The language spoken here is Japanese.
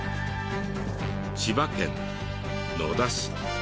千葉県野田市。